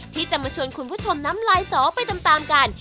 ที่จะมาชวนคุณผู้ชมน้ำลายสอไปตามกัน